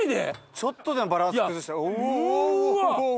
ちょっとでもバランス崩したら、うぉおお。